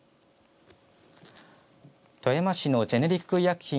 富山市のジェネリック医薬品